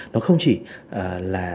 nó không chỉ là